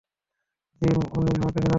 Gym, ওনি আমাকে ঘৃণা করেন।